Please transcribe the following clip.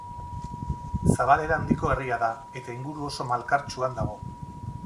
Zabalera handiko herria da, eta inguru oso malkartsuan dago.